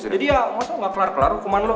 jadi ya masa gak kelar kelar hukuman lu